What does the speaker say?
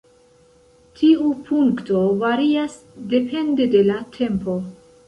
Tiu punkto varias depende de la tempo.